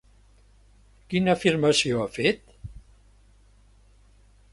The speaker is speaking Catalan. Quina afirmació ha fet?